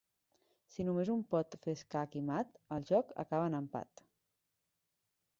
Si només un pot fer escac i mat, el joc acaba en empat.